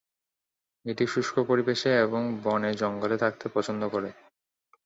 এটি শুষ্ক পরিবেশে এবং বনে-জঙ্গলে থাকতে পছন্দ করে।